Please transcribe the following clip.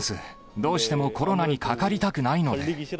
どうしてもコロナにかかりたくないので。